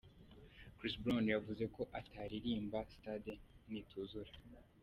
Chris Brown yavuze ko ataririmba Stade nituzura.